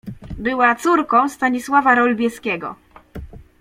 Była córką Stanisława Rolbieskiego.